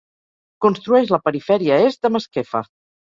Construeix la perifèria est de Masquefa.